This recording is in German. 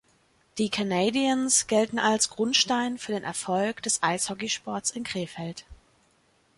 Die Canadiens gelten als Grundstein für den Erfolg des Eishockeysports in Krefeld.